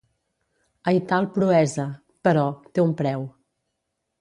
Aital proesa, però, té un preu.